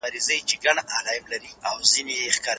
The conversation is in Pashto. کاشکې ما په هغه وخت کې له اغا نه بیا پوښتنه کړې وای.